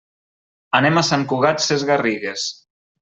Anem a Sant Cugat Sesgarrigues.